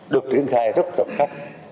được triển khai rất rộng khắc